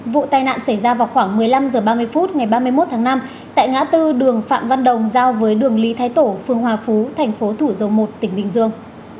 vụ tai nạn xảy ra vào khoảng một mươi năm h ba mươi phút ngày ba mươi một tháng năm tại ngã tư đường phạm văn đồng giao với đường lý thái tổ phương hòa phú thành phố thủ dầu một tỉnh bình dương